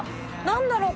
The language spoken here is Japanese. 何だろう？